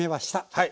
はい。